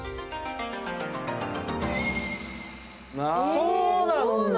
そうなんだ。